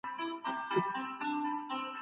د غلا مخه په قانوني سزا ونیسئ.